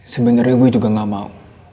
sebenarnya gue juga gak mau